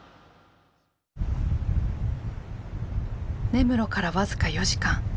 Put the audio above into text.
根室から僅か４時間。